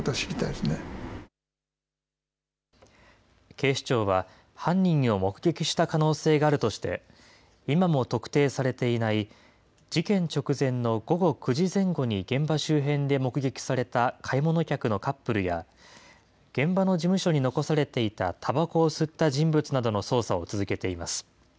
警視庁は、犯人を目撃した可能性があるとして、今も特定されていない、事件直前の午後９時前後に現場周辺で目撃された買い物客のカップルや、現場の事務所に残されていたたばこを吸った人物などの捜査を続けています。